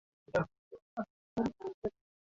Anasema siku hizi kilimo cha mwani ni cha kubahatisha